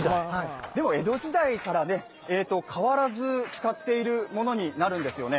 でも、江戸時代から変わらず使っているものになるんですよね。